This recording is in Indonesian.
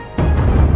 aku akan menang